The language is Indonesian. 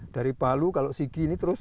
dari palu kalau sigi ini terus